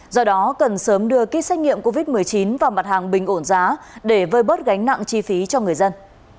do đó cần sớm đưa ký xét nghiệm covid một mươi chín vào mặt hàng bình ổn giá để vơi bớt gánh nặng chi phí cho người dân